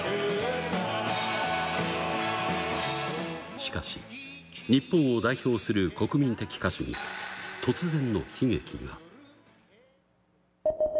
しかし、日本を代表する国民的歌手に、突然の悲劇が。